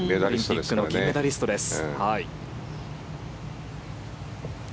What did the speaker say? オリンピックの銀メダリストです。